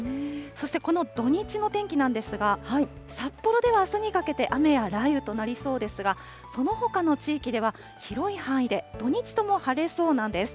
そしてこの土日の天気なんですが、札幌ではあすにかけて雨や雷雨となりそうですが、そのほかの地域では、広い範囲で、土日とも晴れそうなんです。